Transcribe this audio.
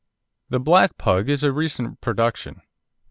The black Pug is a recent production.